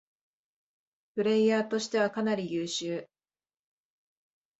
プレイヤーとしてはかなり優秀